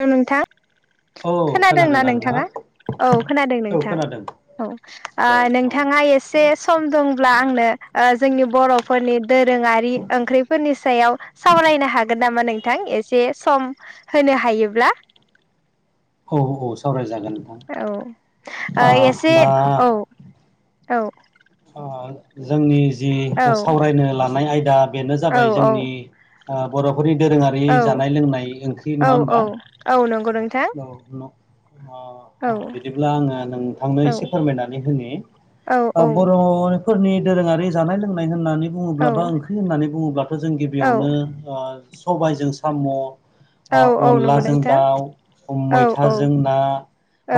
हेल' नोंथां औ खोनादों ना खोनादोंना नोंथाङा औ खोनादों औ नोंथां खोनादों औ दे औ नोंथाङा एसे सम दंब्ला आंनो जोंनि बर'फोरनि दोरोङारि ओंख्रिफोरनि सायाव सावरायनो हागोन नामा नोंथां एसे एसे सम होनो हायोब्ला। औ औ सावरायजागोन औ ओ नोंथां एसे दा औ औ ओ जोंनि जि औ सावरायनो लानाय आयदा बेनो औ जाबाय जोंनि बर'फोर नि दोरोङारि औ जानाय लोंनाय ओंख्रि औ नङा होमबा औ औ नंगौ नोंथां औ औ अ बिदिब्ला आङो नोंथांनो औ एसे फोरमायनानै होनि औ बर'फोरनि दोरोङारि जानाय लोंनाय होननानै नानै औ बुङोब्ला बा ओंख्रि होन्नानै बुङोब्लाथ' जों औ गिबियावनो सबायजों साम' औ औ नंगौ अनलाजों नोंथां दाउ औ औ मैथाजों ना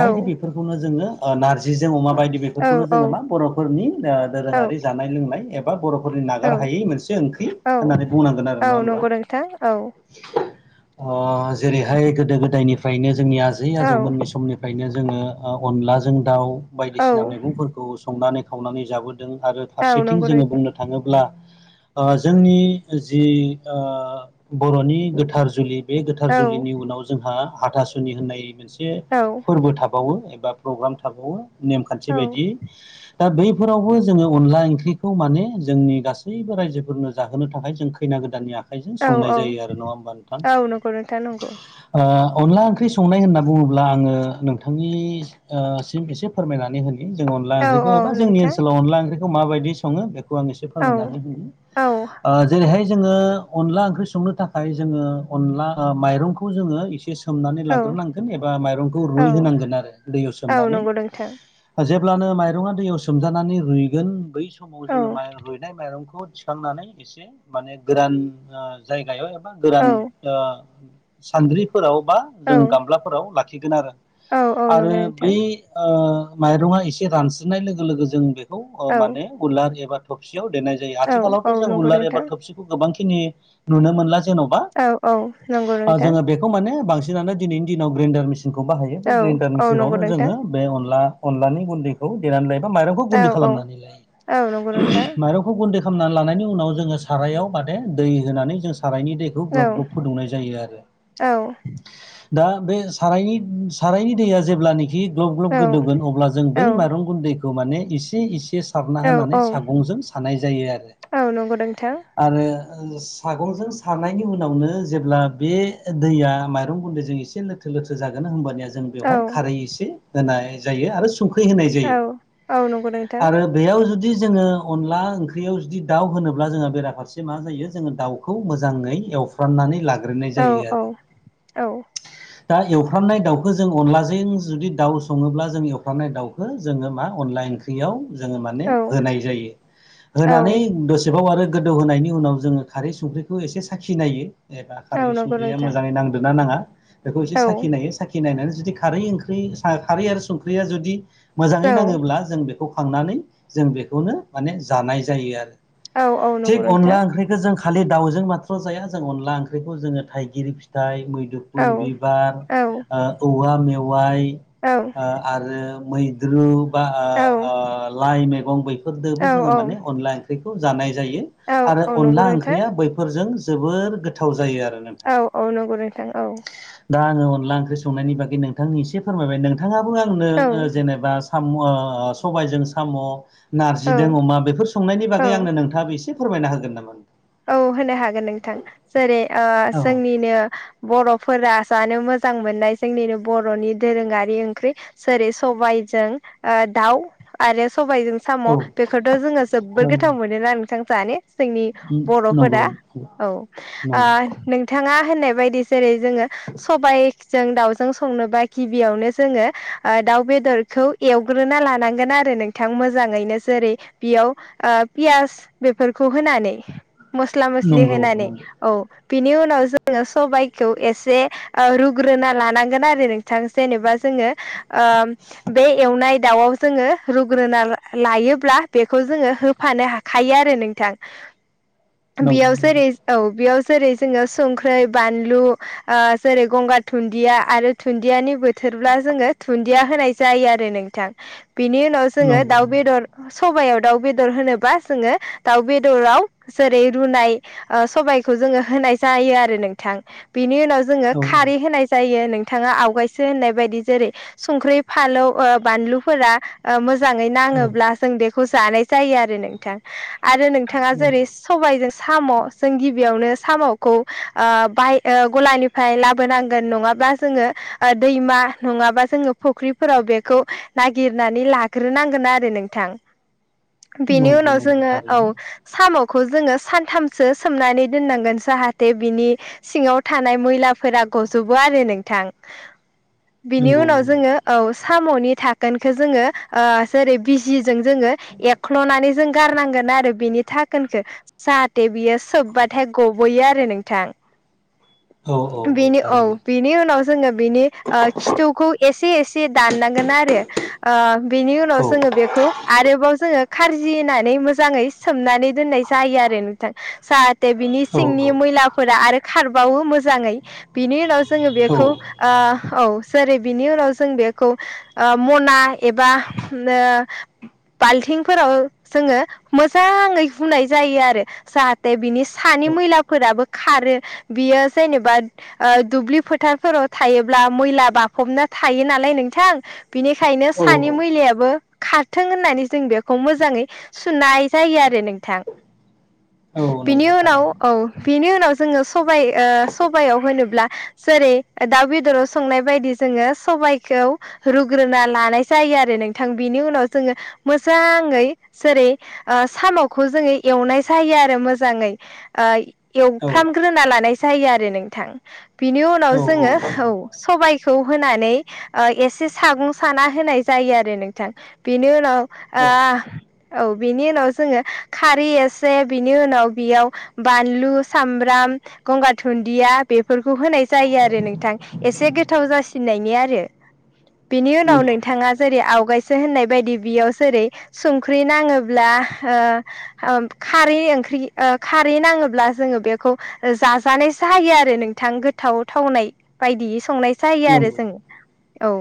औ बेफोरखौनो जोङो नारजिजों अमा बायदि बेफोरखौनो जोङो मा औ बर'फोरनि दोरोङारि जानाय लोंनाय एबा बर' फोरनि औ नागार हायै मोनसे ओंख्रि औ होननानै बुंनांगोन आरो औ ना होनबा नंगौ नोंथां औ जेरैहाय गोदो गोदायनिफ्रायनो जोंनि आजै औ आजौमोन बे समनिफ्रायनो जोङो अनलाजों दाउ औ बायदिसिना मैगंफोरखौ संनानै खावनानै जाबोदों दों आरो औ फारसेथिं नंगौ जोङो नोंथां बुंनो थाङोब्ला जोंनि जि बर'नि गोथार जुलि बे गोथार औ जुलिनि उनाव जोंहा हाथासुनि होननाय मोनसे औ फोरबो थाबावो। बा प्रग्राम थाबावो नेमखान्थि औ बायदि दा बैफोरावबो जोङो अनला ओंख्रिखौ माने जोंनि गासैबो रायजोफोरनो जाहोनो थाखाय जों खैनानै गोदाननि आखाइजों औ संनाय औ जायो आरो नङा होनबा नोंथां? औ नंगौ नोंथां नंगौ ओ। अनला ओंख्रि संनाय होनना बुङोब्ला आङो नोंथांनि सिम एसे फोरमायनानै होनि जों अनला औ ओंख्रिखौ औ एबा जोंनि नोंथां ओनसोलाव अनला ओंख्रिखौ माबायदि सङो बेखौ एसे औ फोरमायनानै औ होनि जोङो अनला ओंख्रि संनो थाखाय जोङो अनला माइरंखौ जोङो एसे सोमनानै औ लाग्रोनांगोन एबा माइखौ रुइ औ होनांगोन आरो दैयाव औ सोमनानै नंगौ नोंथां जेब्लानो माइरङा दैयाव सोमजानानै रुइगोन बै समाव औ जोङो रुइनाय माइरंखौ थिखांनानै एसे माने गोदान जायगायाव एबा गोदान औ ओ सान्द्रिफोराव बा औ जों गामलाफोराव लाखिगोन आरो औ आरो नंगौ नोंथां बै ओ माइरं एसे रानस्रिनाय लोगो लोगो जों बे खौ औ माने उलार एबा थबसियाव देनाय जायो औ आथिखालावथ' औ जों नंगौ उलार नोंथां एबा थबसिखौ गोबांखिनि नुनो मोनला जेन'बा औ औ नंगौ नोंथां जोङो बेखौ माने बांसिन नानो दिनैनि दिनाव ग्रेन्दडार मेसिनखौ बाहायो बे औ ग्रेन्दडार औ नंगौ मेसिनावनो नोंथां जोङो बे अनला अनलानि गुन्दैखौ ओ देनानै मायरंखौ गुनदै औ खालामनानै औ नंगौ नोंथां मइरंखौ गुन्दै खालामनानै लानायनि उनाव जोङो सारायाव माथे दै होनानै जों सारायनि दैखौ औ ग्लब ग्लब फुदुंनाय जायो आरो औ दा बे सारायनि सारायनि दैया जेब्लानोाखि ग्लब ग्लब गोदौगोन अब्ला जों औ बै माइं गुन्दैखौ माने इसे इसे सारना औ होनानै सागंजों सानाय जायो आरो औ नंगौ नोंथां आरो सागंजों सारनायनि उनावनो जेब्ला बे दैया माइरं गुन्दैजों एसे लोरथो लोथो जागोन होनबानिआ जों औ बेवहाय खारै एसे होनाय जायो आरो संख्रि होनाय औ जायो औ नंगौ नोंथां आरो बेयाव जुदि जोङो अनला ओंख्रियाव जुदि दाउ होनोब्ला जोंहा बेराफारसे मा जायो जोङो दाउखौ मोजाङै एवफ्राननानै लाग्रोनाय औ जायो आरो औ दा एवफ्रामनाय दाउखौ जों अनलाजों जुदि दाउ सङोब्ला जों एवफ्रामनायदाउखौ जोङो मा अनला ओंख्रियाव जोङो माने औ होनाय जायो औ होनानै दसेबाव आरो गोदौहायनि उनाव जोङो खारै संख्रिखौ एसे साखिनायो एबा औ खारै नंगौ संख्रिया नोंथां मोजाङै नांदोंना नाङा बेखौ एसे औ साखि नायो साखि नायनानै जुदि खारै ओंख्रि आरो संख्रिया जुदि मोजाङै औ नाङोब्ला जों बेखौ खांनानै जों बेखौनो माने जानाय जायो आरो औ औ नंगौ थिक नोंथां अनला ओंख्रिखौ जों खालि दाउजों माथ्र' जाया जों अनला ओंख्रिखौ जोङो थाइगिर फिथाइ औ मैदुफुल बिबार औ ओ औवा मेवाइ औ ओ ओ मैद्रु बा ओ ओ लाइ मैगं औ बैफोरजोंबो जों माने अनला ओंख्रि खौ जानाय जायो औ आरो औ नंगौ अनला नोंथां ओंख्रिया बैफोरजों जोबोर गोथाव जायो आरो नोंथां औ औ नंगौ नोंथां औ दा अनला ओंख्रि संनायनि बागै नोंथांनि एसे फोरमायबाय नोंथाङाबो आंनो औ जेनेबा साम' सबायजों साम' नारजिदों औ अमा बेफोर संनायनि औ बागै आंनो नोंथाङाबो एसे फोरमायना होगोन नामा औ होनो हागोन नोंथां जेरै ओ औ जोंनिनो बर' फोर जानो मोजां मोननाय जोंनिनो बर'नि दोरोङारि ओंख्रि जेरै सबाइजों ओ दाउ आरो सबायजों साम' औ बेखौथ' जोङो नंगौ जोबोद गोथाव मोनोना नोंथां जानो जोंनि नंगौ बर'फोरा औ ओ नंगौ नोंथां ना होननाय बायदि जेरै जोङो सबायजों दाउजों संनोबा गिबियावनो जोङो ओ दाउ बेदरखौ एवग्रोना लानांगोन आरो नोंथां मोजाङैनो जेरै बेयाव ओ पियास बेफोरखौ होनानै मस्ला मस्लि नंगौ होनानै नंगौ औ बिनि उनाव जोङो सबायाइखौ एसे रुग्रोना लानांगोन आरो नोंथां जेनेबा जों जोङो ओ बे एवनाय दाउआव जोङो रुग्रोना लायोब्ला बेखौ जोङो होफानो हाखायो आरो नोंथां नंगौ बियाव जेरै औ बियाव जेरै जोङो संख्रै बानलु ओ जेरै गंगार दुन्दिया आरो दुन्दियानि बोथोर ब्ला जोङो दुन्दिया होनाय जायो आरो नोंथां बिनि उनाव जोङो नंगौ नंगौ दाउ बेदर सबायाव दाउ बेदर होनोबा जोङो दाउ बेदराव जेरै रुनाय ओ सबायखौ जोङो होनाय जायो आरो नोंथां। बिनि उनाव जोङो औ खारै होनाय जायो। नोंथाङा आवगायसो होननाय बायदि जेरै संख्रि, फालौ ओ बानलुफोरा ओ मोज जाङै औ नाङोब्ला जों बेखौ जानाय जायो आरो नोंथां आरो नोंथाङा जेरै नंगौ स सबायजों साम' जों गिब बियावनो साम'खौ ओ बाय ओ गलानिफ्राय लाबोनांगोन नङाब्ला जोङो ओद दैमा नङाबा जोङो फख्रिफोराव बेखौ नागिरनानै लाग्रोनांगोन आरो नोंथां। बेनि नंगौ उनाव नंगौ जोङो थारैनो औ साम'ख खौ जोङो सानथामसो सोमनानै दोननांगोन जाहाते बिनि सिङाव थानाय मैलाफोरा गजोबो आरो नोंथां। बिनि नंगौ उनाव नंगौ जोङो औ साम'नि धाकोनखो जोङो ओ जेरै बिजि ज जों जोङो एख्ल'नानै जों गारनांगोन आरो बिनि धाख खोनखो जाहाथे बियो सोबबाथाय गब'यो आरो नोंथां। थु बेनि औ बेनि उनाव ज जोङो बेनि ओ खिथौखौ एसे एसे दाननांगोन आरो ओ बेनि उनाव औ जोङो बेखौ आरोबाव जोङो खारजि होनानै मोजाङै सोमनानै दोननाय जायो आरो नोंथां जाहाथे बिनि औ सिंनि मैलाफोरा आरोख खारबावो मोजाङै बिनि उनाव जोङो बेखौ ओ औ जेरै बेनि उनाव जों बेखौ ओ मना एबा होमनो बाल्थिंफोराव जोङो मोजाङै हुनाय जायो आरो जाहाते बेनि सानि औ मैलाफोराबो खारो बेयो जेनेबा ओ दुब्लि फोथारफोराव थायोब्ला मैला बाखबना थायो नालाय नोंथां बिनिखायनो सानि औ मैलायाबो खारथों होननानै जों बेखौ मोजाङै सुनाय जायो आरो नोंथां। औ बिनि नंगौ उनाव थारैनो औ बिनि उनाव जोङो सबाय ओ सबायाव होनोब्ला जों जेरै ओ दाउ बेदराव संनाय बायदि जोङो सबायखौ रुग्रोना लानाय जायो आरो नोंथ थां बिनि उनाव जोङो मोजाङै जेरै ओ साम'ख खौ जोङो एवनाय जायो आरो मोजाङै ओ औ एवफ्रामग्रोना लानाय जायो आरो नोंथ थां बिनि उनाव जोङो औ सबायखौ होनानै ओ एसे सागं सा साना होनाय जायो आरो नोंथां बेनि उनाव ओ औ बिनि उनाव जोङो खारै एसे बिनि उनाव बेयाव बानलु, सामब्राम, गंगार धुनन्दिया बेफोरखौ होनाय जायो आरो नोंथां एसे गोथाव जासिनायनि आरो बिनि उनाव नंगौ नंगौ नोंथाङा जेरै थारैनो आवगायसो होननाय बायदि बेयाव जेरै संख्रि नाङोब्ला ना हो औम खारै ओंख्रि ओ खारै नाङोब्ला जोङो बेखौ ओ जाजानायसो हायो आर रो नोंथां गोथाव थावनाय बायदियै संनाय जायो आरो नंगौ जों औ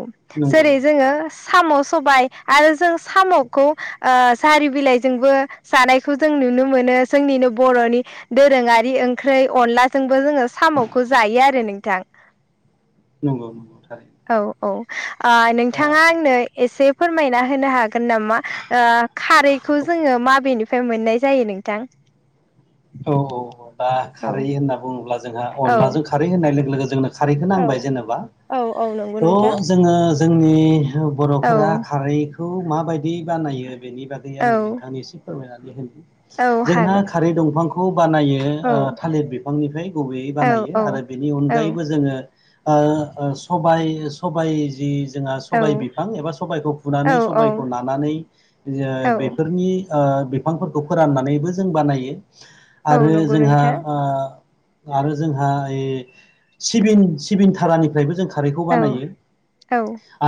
नंगौ जेरै नंगौ जोङोस साम' सबाय आरो जों साम'खौ ओ जारि बिलाइजोंबो जानायखौ जों नुनो मोनो जोंनिनो बर'नि दोरोङारि ओंख्रै अनलाजोंबो जोङो सा साम'खो जायो आरो नोंथां। नंगौ नंगौ थारैनो। औ औ ओ नोंथाङा आंनो एसे फोरमायना होनो हागोन नामा ओ खारैखौ ज जोङो माबेनिफ्राय मोननाय जायो नोंथां? ओ औ दा औ खारै होनना बुङोब्ला जोंहा औ अनलाजों खारै होननाय लोगो लोगोज खारैखो औ नांबाय जेननोबा औ औ नंगौ अ नोंथां जोंङोस जोंनि ओ औ बर'फोरा खारैखौ माबायदि बानायो बेनि बागै औ आङो नोंथांनो एसे फोरमायनानै होनो औ जोंहा हागोन खारै दंफांख बानायो औ ओ थालिर बिफांनिफ्राय गुबैयै औ बानायो औ आरो बेनि अनगायैबो जोङो ओ ओ सबाय सबाय जि जोंहा औ सबबाय बिफां एबा सबबायखौ फुनानै औ सबबायखौ नानानै औ बेफोरनि बिफांफोरखौ फोराननानैबो जों बानायो औ आरो नंगौ जोंहा नोंथां आरो जोंहा ओ, सिबिं सिबिं थारानिफ्रायबो जों खारैखौ औ बानायो औ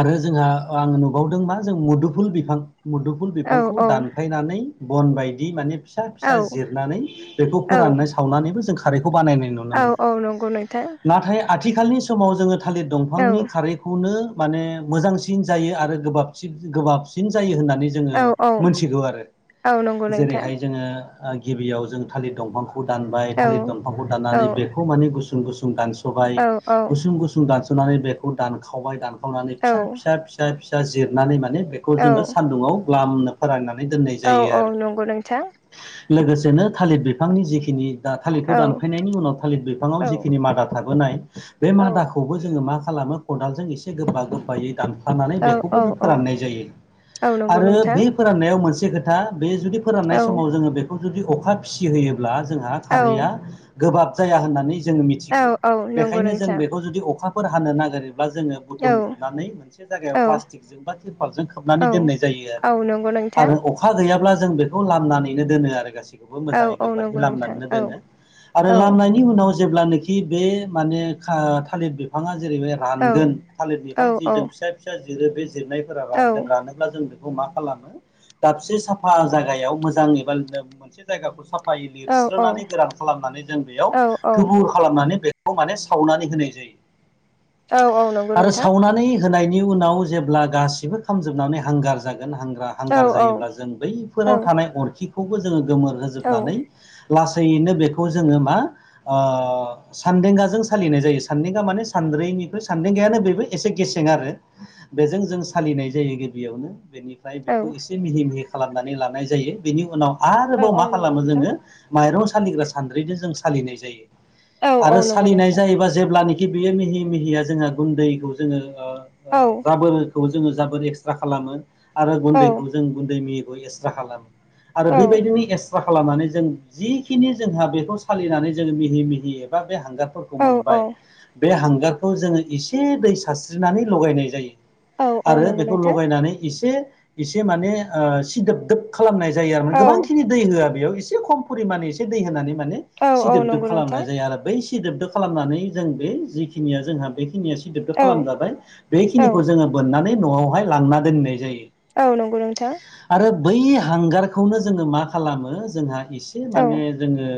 आरो जोंहा आङो नुबावदों मा जों मुदुफुल बिफां मुदुफुल औ बिफांखौ औ दानफायनानै बन बायदि माने फिसा फिसा औ जिरनानै बेखौ औ फोरानना सावनानैबो जों खारै बानाय नाय नुनो औ औ मोनदों। नंगौ नोंथां नाथाय आथिखालनि सु बे समाव जोङो थालिर औ दंफांनि खारैखौनो माने मोजांसिन जायो आरो गोबाबसिन गोबाबसिन जायो होनना नै जोङो औ औ मोनथिगौ आरो औ नंगौ नोंथां जेरैहाय जोङो गिबियाव जों थालिर दंफां दानबाय औ थालिर दफांखौ औ दाननानै बेखौ माने गुसुं गुुसुं दानस'बाय औ गुसुं गुसुं दानस नानै बेखौ दानखावबाय दानखावनानै औ फिसा फिसा फिसा फिसा जिरनानै माने बेखौ औ जोङो सान्दुङाव लामनो फोराननानै दोननाय औ जायो औ आरो नंगौ नोंथां । लोगोसेनो थालिर बिफांनि जिखिनि दा थालिरखौ औ दानफायनायनि उनाव थालिर बिफाङाव औ जिखिनि मादा था बोनाय बे औ मादाखौबो जोङो मा खालामो खदालजों एसे गोबा गोबायै दान फानानै औ औ बेखौबो जों फोराननाय जायो औ नंगौ नोंथां औ नंगौ आरो नोंथां बे फोराननायाव मोनसे खोथा बे जुदि फोराननाय औ समाव जोङो बेखौ जुदि अखा फिसिहोयोब्ला जोंहा औ खारैया गोबाब जाया होननानै जोङो औ मिथिगौ । औ नंगौ बेखायनो जों नोंथां बेखौ जुदि अखाफोर हानो नागिरो जोङो औ बुथुम जोबनानै मोनसे जायगायाव प्लास्टिकजों बा तिरपालजों खोबनानै दोननाय जायो आरो औ । नंगौ नोंथां आरो अखा गैयाब्ला जों बेखौ लामनानैनो दोनो आरो गासिखौबो औ मोजाङै गोबा औ लामनानैनो दोनो आरो लामनायनि उनाव जेब्लानोखि बे माने खा थालिर बिफाङा जेरै रानगोन थालिर औ बिफां जि जों फिसा फिसा जिरो बे जिरनायफोरा औ रानगोन रानोब्ला जों बे खौ मा खालामो दाबसे साफा जायगायाव मोजां एबा मोनसे जायगाखौ सा फायै औ औ लिरस्रोनानै औ गोरान खालामनानै जों बेयाव औ औ थुबुर खालामनानै बे खौ माने सावनानै होनाय जायो । औ औ नंगौ नोंथां । होनायनि उनाव जेब्ला गासिबो खामजोबनानै हांगार जागोन हांग्रा औ हांगार औ जायोब्ला जों औ बैफोराव थानाय अरखिखौबो जोङो गोमोर औ होजोबनानै लासैनो बेखौ जोङो मा ओ सानदेंगाजों सालिनाय जायो सानदेंगा माने सा द्रैनिफ्राय सान्देंगायानो बेबो एसे गेसें आरो बेजों जों सालिनाय जायो गिबियावनो । बेनिफ्राय औ बेखौ एसे मिहि मिहि खालामनानै लानाय जायो। बेनि उनाव औ आरोबाव औ मा नंगौ खालामो नोंथां जोङो माइरं सालिग्रा सानद्रिजों जों सालिनाय जायो औ । औ आरो नंगौ सालिनाय नोंथां जायोबा जेब्लाने बेयो मिहि मिहिया जोंहा गुन्दैखौ जोङो औ ओ जाबोर खौ जाबोर एक्सट्रा खालामो आरो औ गुैनदैखौ जों गुन्दै मिहि एसट्रा खालामो आरो औ बेबायदिनो एस ट्रा खालामनानै जों जिखिनि जोंहा बेखौ सालिनानै जोङो मिहि मिहि एबा बे हांगारफोरखौ औ औ मोनबाय बे हांगारखौ जोङो एसे दै सारस्रिनानै लगायनाय जायो । औ औ आरो नंगौ बेखौ नोंथां लगायनानै एसे एसे माने ओ, सिदोबदोब खालामनाय जायो आरो औ गोबांखिनि दै होआ बेयाव एसे खम परिमान एसे दै होनानै माने औ औ सिदोबदोब नंगौ नोंथां खालामनाय जायो आरो बै सिदोबदोब खालामनानै जों बे जिखिनिया जोंहा बे निया सिदोब दोब औ खालामजाबाय औ बेखिनिखौ जोङो बोननानै न'आवहाय लांना दोनैनाय जायो औ नंगौ नोंथां । आरो बै हांगारखौनो जोङो मा खालामो जोंहा एसे औ माने जोङो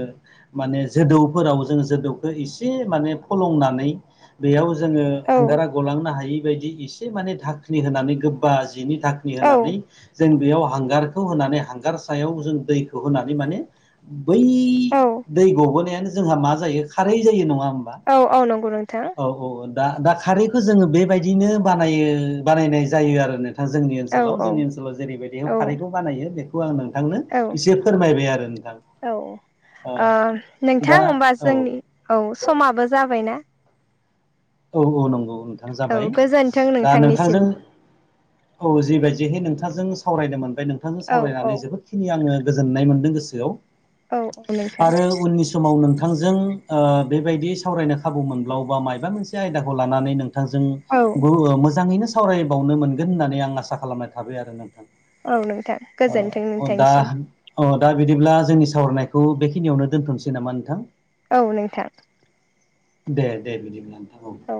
माने जोदौफोराव जों जोदौखौ एसे माने फलंनानै बेयाव जोङो औ हांगारा गलांनो हायि बायदि एसे माने धाखनि होनानै गोबा जिनि धाकनि औ होनानै जों बेयाव हांगारखौ होनानै हांगार सायाव जों दै होनानै माने बै औ दै गबोनायानो जोंहा मा जायो खारै जायो नङा होमबा औ औ नंगौ नोंथां औ औ दा दा खारैखौ जोङो बेबायदिनो बानायो बानायनाय जायो आरो न जोंनि औ ओनसोलाव औ जोंनि ओनसोलाव जेरैबायदि औ खारैखौ बानायो बेखौ आं नोंथांनो औ इसे फोरमायबाय आरो नोंथां औ ओ नोंथां दा होमबा औ जोंनि औ समाबो जाबायना औ औ नंगौ औ नोंथां औ जाबाय गोजोन्थों दा नोंथांनिसिम नोंथांजों औ जेबायदिहै नोंथां नोंथांजों सावरायनो मोनबाय नोंथांजों औ सावरायनानै औ जोबोदखिनि आङो गोजोननाय मोनदों गोसोआव औ औ नोंथां आरो उननि समाव नोंथां नोंथांजों ओ बेबायदि सावरायनो खाबु मोनब्लावबा मायाबा मोनसे आयदाखौ लानानै नोंथां औ नोंथांजों मोजाङैनो सावरायबावनो मोनगोन होननानै आं आसा खालामनाय थाबाय आरो नोंथां औ नोंथां गोजोनथों ओ दा नोंथांनिसिम अ दा बिदिब्ला जोंनि सावरायनायखौ बेखिनियावनो दोनथ'नोसै नामा नोंथां औ नोंथां दे दे औ